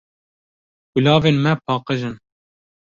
Kulavên me paqij in.